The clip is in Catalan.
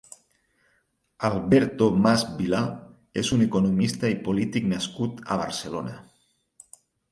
Alberto Mas Vilá és un economista i polític nascut a Barcelona.